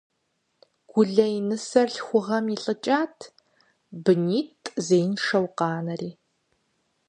Гулэ и нысэр лъхугъэм илӀыкӀат, бынитӀ зеиншэу къанэри.